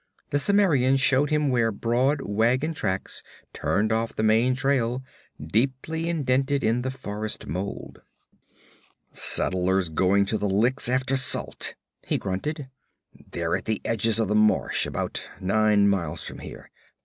The Cimmerian showed him where broad wagon tracks turned off the main trail, deeply indented in the forest mold. 'Settlers going to the licks after salt,' he grunted. 'They're at the edges of the marsh, about nine miles from here.